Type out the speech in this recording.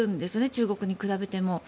中国に比べても。